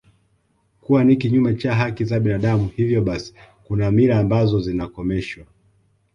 kuwa ni kinyume cha haki za binadamu hivyo basi kuna mila ambazo zinakomeshwa